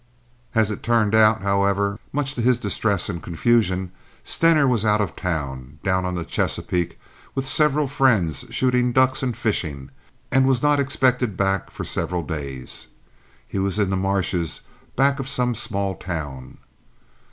As it turned out, however, much to his distress and confusion, Stener was out of town—down on the Chesapeake with several friends shooting ducks and fishing, and was not expected back for several days. He was in the marshes back of some small town.